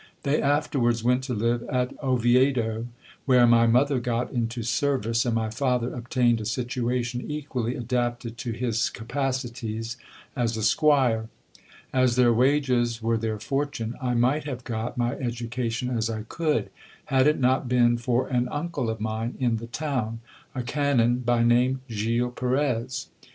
They afterwards went to live at Oviedo, where my mother got into service, and my father obtained a situation equally adapted to his capacities as a squire. As their wages were their fortune, I might have got my education as I could, had it not been for an uncle of mine in the town, a canon, by name Gil Perez.